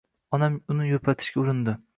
Onam uni yupatishga urindi.